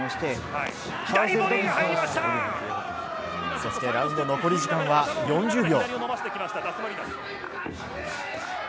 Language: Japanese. そしてラウンド残り時間は４０秒。